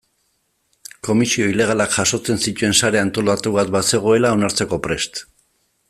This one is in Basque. Komisio ilegalak jasotzen zituen sare antolatu bat bazegoela onartzeko prest.